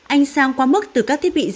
anh sang qua mức từ các thiết bị di động